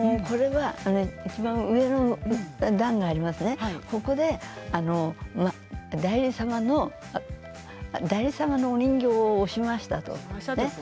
いちばん上の段がありますね、ここで内裏様のお人形を押しましたと。